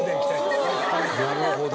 なるほど。